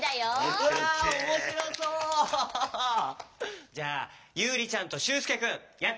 じゃあゆうりちゃんとしゅんすけくんやってみよう！